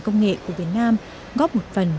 công nghệ của việt nam góp một phần